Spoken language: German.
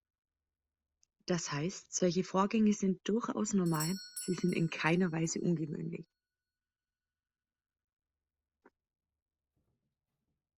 Das heißt, solche Vorgänge sind durchaus normal, sie sind in keiner Weise ungewöhnlich.